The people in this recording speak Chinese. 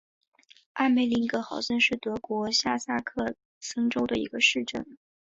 阿梅林格豪森是德国下萨克森州的一个市镇。